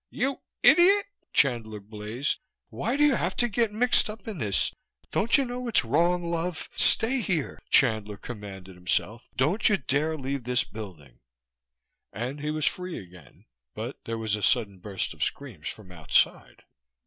"You idiot!" Chandler blazed. "Why do you have to get mixed up in this? Don't you know it's wrong, love? Stay here!" Chandler commanded himself. "Don't you dare leave this building!" And he was free again, but there was a sudden burst of screams from outside.